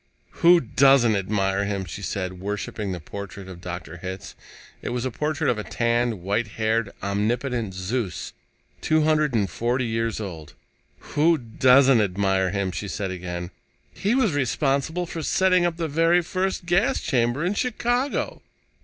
"Who doesn't admire him?" she said, worshiping the portrait of Hitz. It was the portrait of a tanned, white haired, omnipotent Zeus, two hundred and forty years old. "Who doesn't admire him?" she said again. "He was responsible for setting up the very first gas chamber in Chicago."